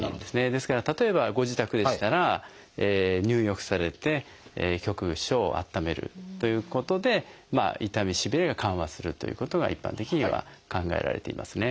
ですから例えばご自宅でしたら入浴されて局所を温めるということで痛みしびれは緩和するということが一般的には考えられていますね。